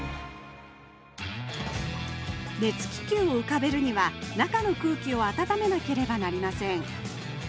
熱気球を浮かべるには中の空気を温めなければなりません。